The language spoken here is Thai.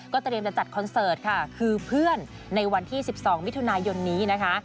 เตรียมจะจัดคอนเสิร์ตค่ะคือเพื่อนในวันที่๑๒มิถุนายนนี้นะคะ